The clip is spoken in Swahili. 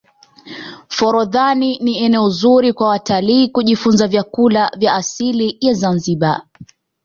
forodhani ni eneo zuri kwa watalii kujifunza vyakula vya asili ya zanzibar